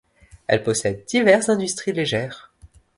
Elle possède diverses industries légères.